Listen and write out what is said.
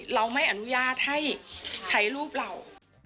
เราไม่อนุญาตให้ใช้รูปเรา